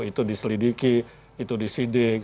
itu diselidiki itu disidik